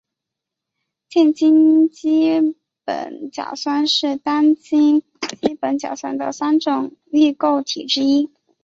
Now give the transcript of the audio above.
间羟基苯甲酸是单羟基苯甲酸的三种异构体之一。